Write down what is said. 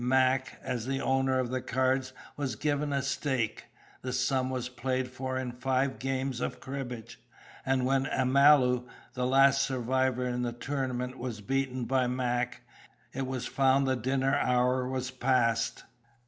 Mac, as the owner of the cards, was given a stake; the sum was played for in five games of cribbage; and when Amalu, the last survivor in the tournament, was beaten by Mac, it was found the dinner hour was past.